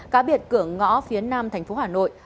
cá biệt cửa ngõ phía nam thành phố hà nội